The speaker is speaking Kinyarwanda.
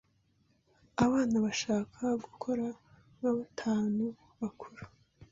Abana bashaka gukora nkabantu bakuru.